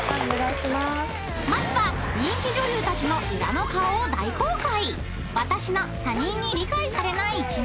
［まずは人気女優たちのウラの顔を大公開］